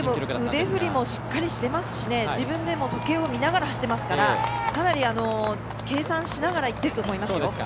腕振りもしっかりしてますし自分でも時計を見ながら走ってますからかなり計算しながらいってると思いますよ。